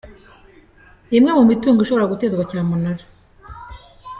Imwe mu mitungo ishobora gutezwa cyamunara.